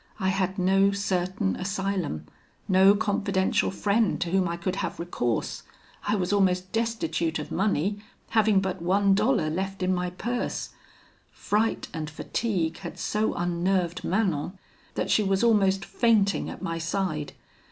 I had no certain asylum no confidential friend to whom I could have recourse. I was almost destitute of money, having but one dollar left in my purse. Fright and fatigue had so unnerved Manon, that she was almost fainting at my side.